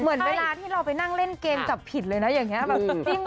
เหมือนเวลาที่เราไปนั่งเล่นเกมจับผิดเลยนะอย่างนี้แบบ